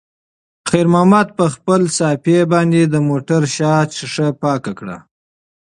خیر محمد په خپلې صافې باندې د موټر شاته ښیښه پاکه کړه.